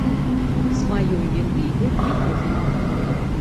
Сваёй віны ён не прызнаў.